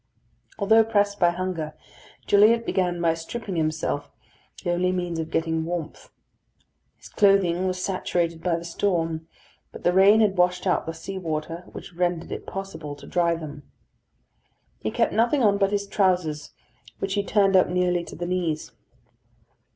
Although pressed by hunger, Gilliatt began by stripping himself, the only means of getting warmth. His clothing was saturated by the storm, but the rain had washed out the sea water, which rendered it possible to dry them. He kept nothing on but his trousers, which he turned up nearly to the knees.